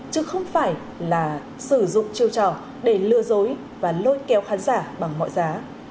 chứ không phải là sử dụng chiêu trò để lừa dối và lôi kéo khán giả bằng mọi giá